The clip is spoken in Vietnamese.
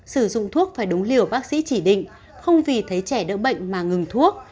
sử dụng thuốc phải đúng liều bác sĩ chỉ định không vì thấy trẻ đỡ bệnh mà ngừng thuốc